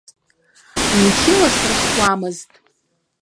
Мчыла срышьҭуамызт.